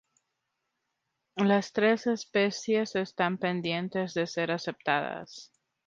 Las tres especies están pendientes de ser aceptadas.